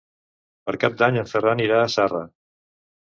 Per Cap d'Any en Ferran irà a Zarra.